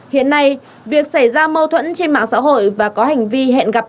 hiện nay việc xảy ra mâu thuẫn trên mạng xã hội và có hành vi hẹn gặp lại